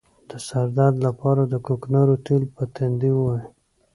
د سر درد لپاره د کوکنارو تېل په تندي ووهئ